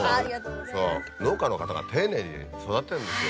農家の方が丁寧に育ててるんですよ